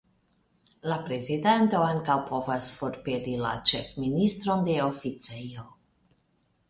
La prezidanto ankaŭ povas forpeli la ĉefministron de oficejo.